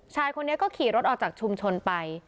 ชายคนนี้ก็ขี่รถออกจากชุมชนไป